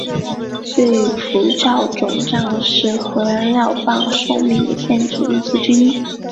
所以辐照肿胀是核燃料棒寿命的限制因素之一。